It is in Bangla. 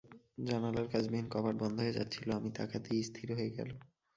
জানালার কাঁচবিহীন কপাট বন্ধ হয়ে যাচ্ছিল, আমি তাকাতেই স্থির হয়ে গেল।